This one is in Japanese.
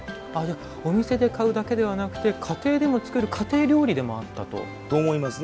お店で買うだけではなくて家庭でも作る家庭料理でもあったと。